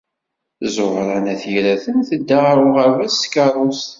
Ẓuhṛa n At Yiraten tedda ɣer uɣerbaz s tkeṛṛust.